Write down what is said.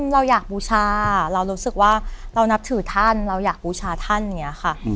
เราอยากบูชาเรารู้สึกว่าเรานับถือท่านเราอยากบูชาท่านอย่างนี้ค่ะ